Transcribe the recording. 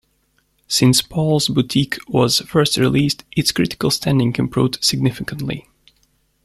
Since "Paul's Boutique" was first released, its critical standing improved significantly.